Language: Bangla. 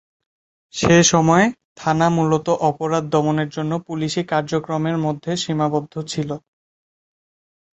সে সময়ে থানা মূলতঃ অপরাধ দমনের জন্য পুলিশী কার্যক্রমের মধ্যে সীমাবদ্ধ ছিল।